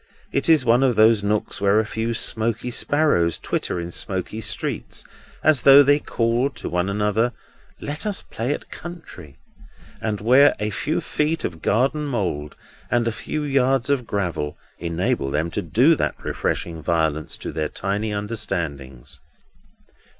It is one of those nooks where a few smoky sparrows twitter in smoky trees, as though they called to one another, "Let us play at country," and where a few feet of garden mould and a few yards of gravel enable them to do that refreshing violence to their tiny understandings.